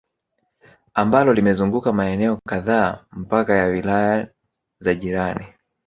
Ambalo limezunguka maeneo kadhaa mpaka ya wilaya za jirani